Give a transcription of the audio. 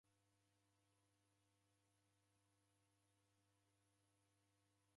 Mwarwa kofia righokie